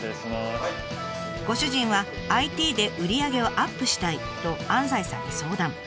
ご主人はＩＴで売り上げをアップしたいと安西さんに相談。